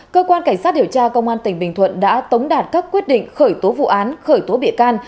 cơ quan cảnh sát điều tra công an tỉnh bình thuận đã tống đạt các quyết định khởi tố vụ án khởi tố bị can